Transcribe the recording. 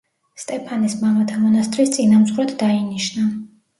სტეფანეს მამათა მონასტრის წინამძღვრად დაინიშნა.